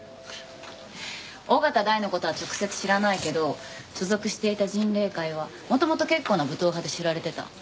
緒方大の事は直接知らないけど所属していた迅嶺会は元々結構な武闘派で知られてた。